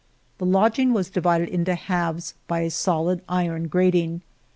The lodging was divided into halves by a solid iron grating.